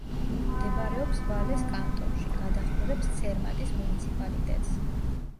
მდებარეობს ვალეს კანტონში; გადაჰყურებს ცერმატის მუნიციპალიტეტს.